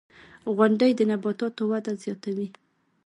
• غونډۍ د نباتاتو وده زیاتوي.